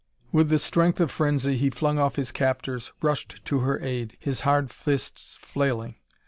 With the strength of frenzy, he flung off his captors, rushed to her aid, his hard fists flailing.